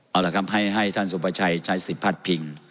เอาละครับให้ท่านสุประชัยใช้สิทธิพัดพิง